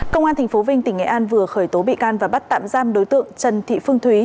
công an tp vinh tỉnh nghệ an vừa khởi tố bị can và bắt tạm giam đối tượng trần thị phương thúy